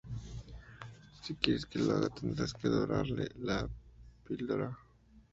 Si quieres que lo haga tendrás que dorarle la píldora